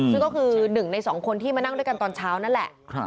ซึ่งก็คือ๑ใน๒คนที่มานั่งด้วยกันตอนเช้านั่นแหละ